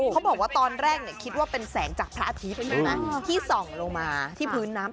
เขาบอกว่าตอนแรกคิดว่าเป็นแสงจากพระอาทิตย์ใช่ไหมที่ส่องลงมาที่พื้นน้ำ